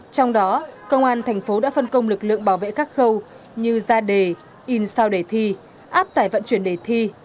trong đó công an thành phố đã phân công lực lượng bảo vệ các khâu như ra đề in sao đề thi áp tải vận chuyển đề thi